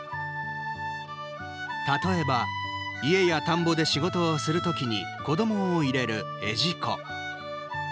例えば、家や田んぼで仕事をする時に子どもを入れる嬰児籠。